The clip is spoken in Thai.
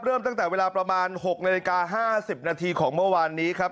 เริ่มตั้งแต่เวลาประมาณ๖นาฬิกา๕๐นาทีของเมื่อวานนี้ครับ